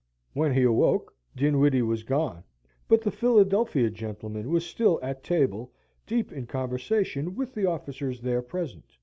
When he awoke, Dinwiddie was gone, but the Philadelphia gentleman was still at table, deep in conversation with the officers there present.